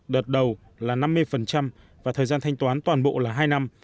đợt đầu là năm mươi và thời gian thanh toán toàn bộ là hai năm